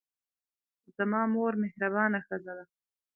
زما مور مهربانه ښځه ده.